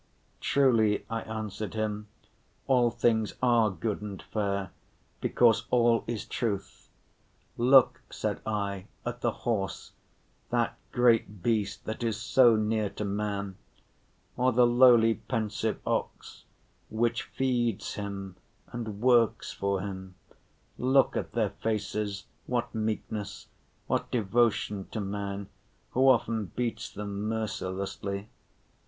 "Truly," I answered him, "all things are good and fair, because all is truth. Look," said I, "at the horse, that great beast that is so near to man; or the lowly, pensive ox, which feeds him and works for him; look at their faces, what meekness, what devotion to man, who often beats them mercilessly.